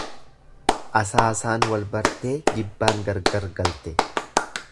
Asaasaan walbartee jibbaan gargar galte.